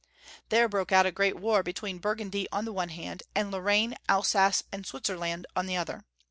There broke out a great war between Burgundy on the one hand, and Lorraine, Elsass, and Switzerland on the other.